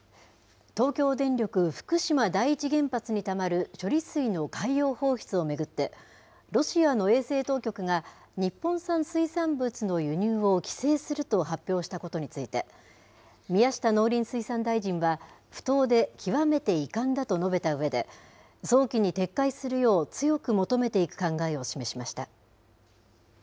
東京電力福島第一原発にたまる処理水の海洋放出を巡って、ロシアの衛生当局が、日本産水産物の輸入を規制すると発表したことについて、宮下農林水産大臣は、不当で極めて遺憾だと述べたうえで、早期に撤回するよう強く求めていく考えを示しました。